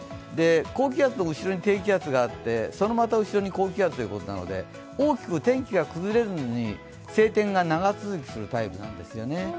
高気圧の後ろに低気圧があって、更に後ろに低気圧ということで大きく天気が崩れるのに晴天が長続きするタイプなんですよね。